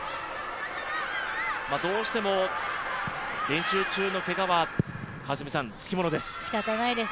どうしても練習中のけがはつきものです。